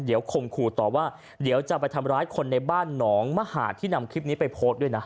เดี๋ยวข่มขู่ต่อว่าเดี๋ยวจะไปทำร้ายคนในบ้านหนองมหาดที่นำคลิปนี้ไปโพสต์ด้วยนะ